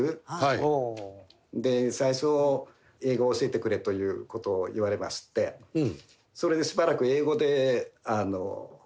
で最初英語を教えてくれという事を言われましてそれでしばらく英語で色々話してたんです。